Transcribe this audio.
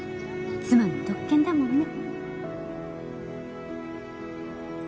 妻の特権だもんね